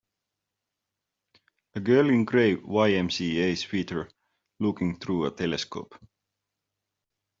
A girl in a gray YMCA sweater looking through a telescope.